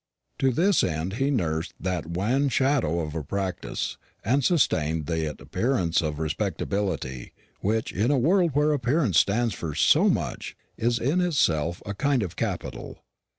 To this end he nursed that wan shadow of a practice, and sustained that appearance of respectability which, in a world where appearance stands for so much, is in itself a kind of capital.